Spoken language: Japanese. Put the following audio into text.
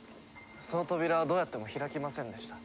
その扉はどうやっても開きませんでした。